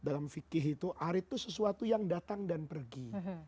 dalam fikih itu arit itu sesuatu yang datang dan pergi